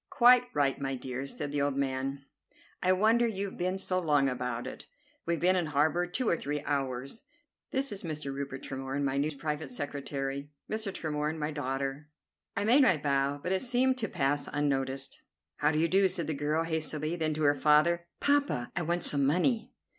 "Quite right, my dear," said the old man; "I wonder you've been so long about it. We've been in harbor two or three hours. This is Mr. Rupert Tremorne, my new private secretary. Mr. Tremorne, my daughter." I made my bow, but it seemed to pass unnoticed. "How do you do," said the girl hastily; then, to her father, "Poppa, I want some money!"